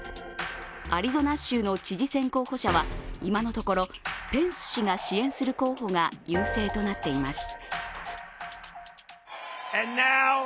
アリゾナ州の知事選候補者は今のところペンス氏が支援する候補が優勢となっています。